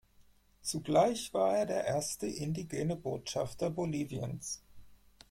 Zugleich war er der erste indigene Botschafter Boliviens.